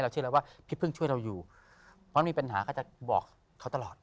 เชื่อแล้วว่าพี่พึ่งช่วยเราอยู่เพราะมีปัญหาก็จะบอกเขาตลอด